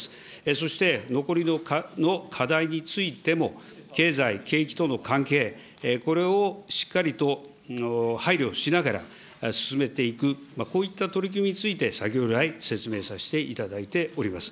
そして、残りの課題についても経済、景気との関係、これをしっかりと配慮しながら進めていく、こういった取り組みについて、先ほど来、説明させていただいております。